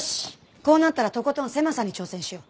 こうなったらとことん狭さに挑戦しよう。